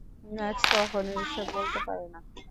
Max কখনই এসব বলতে পারে না।